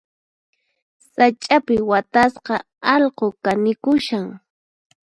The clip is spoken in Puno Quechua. Sach'api watasqa allqu kanikushan.